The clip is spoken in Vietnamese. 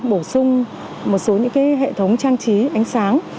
bổ sung một số những hệ thống trang trí ánh sáng